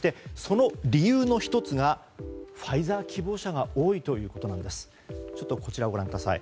その理由の１つがファイザー希望者が多いということなんです。